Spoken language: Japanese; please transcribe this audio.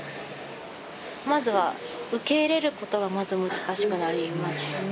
まずは受け入れることがまず難しくなりますね。